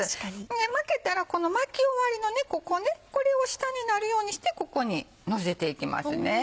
巻けたらこの巻き終わりのここねこれを下になるようにしてここにのせていきますね。